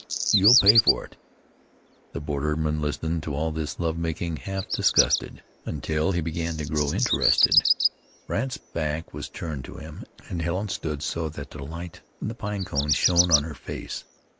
Oh, you'll pay for it." The borderman listened to all this love making half disgusted, until he began to grow interested. Brandt's back was turned to him, and Helen stood so that the light from the pine cones shone on her face.